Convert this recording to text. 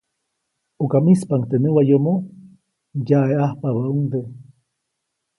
ʼUka ʼmispaʼuŋ teʼ näwayomo, ŋyaʼeʼajpabäʼuŋde.